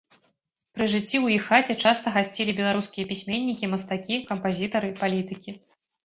Пры жыцці ў іх хаце часта гасцілі беларускія пісьменнікі, мастакі, кампазітары, палітыкі.